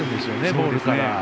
ボールから。